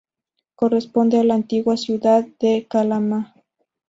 Corresponde a la antigua ciudad de Calama.